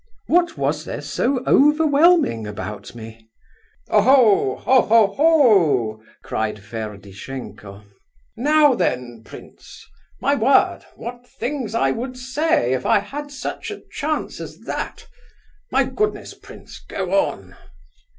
What was there so overwhelming about me?" "Oho! ho, ho, ho!" cried Ferdishenko. "Now then, prince! My word, what things I would say if I had such a chance as that! My goodness, prince—go on!"